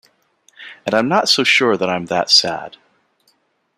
And I'm not so sure that I'm that sad.